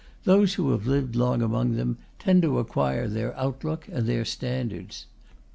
Those who have lived long among them tend to acquire their outlook and their standards.